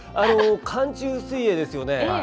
寒中水泳ですよね。